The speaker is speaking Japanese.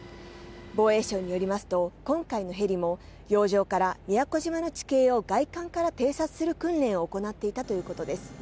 防衛省によりますと今回のヘリも洋上から宮古島の地形を外観から偵察する訓練を行っていたということです。